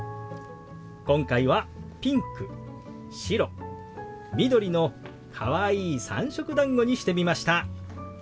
今回はピンク白緑のかわいい三色だんごにしてみました。